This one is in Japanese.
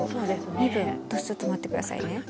身分ちょっと待ってください。